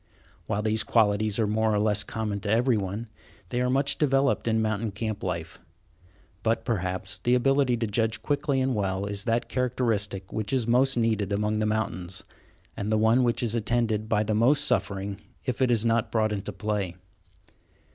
While these qualities are more or less common to every one, they are much developed in mountain camp life. But, perhaps, the ability to judge quickly and well is that characteristic which is most needed among the mountains, and the one which is attended by the most suffering if it is not brought into play.